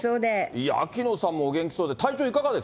いや、秋野さんもお元気そうで。